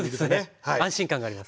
安心感があります。